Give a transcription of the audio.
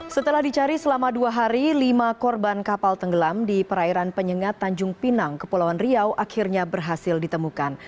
setelah dicari selama dua hari lima korban kapal tenggelam di perairan penyengat tanjung pinang kepulauan riau akhirnya berhasil ditemukan